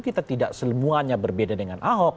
kita tidak semuanya berbeda dengan ahok